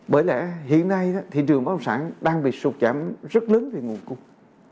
bởi lẽ hiện nay thị trường bóng sản đang bị sụt giảm rất lớn về nguồn cung